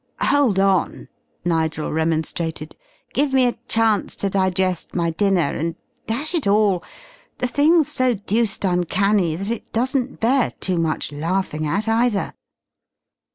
"Hold on," Nigel remonstrated. "Give me a chance to digest my dinner, and dash it all, the thing's so deuced uncanny that it doesn't bear too much laughing at either!"